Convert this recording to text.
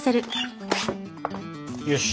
よし。